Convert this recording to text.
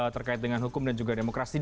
terkait dengan hukum dan juga demokrasi